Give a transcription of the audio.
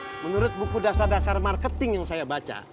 menurut buku dasar dasar marketing yang saya baca